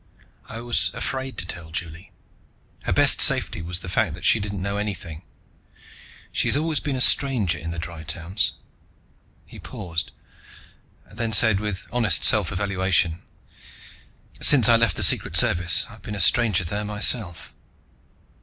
"I was afraid to tell Juli; her best safety was the fact that she didn't know anything. She's always been a stranger in the Dry towns." He paused, then said with honest self evaluation, "Since I left the Secret Service I've been a stranger there myself."